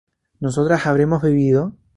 ¿nosotras habremos bebido?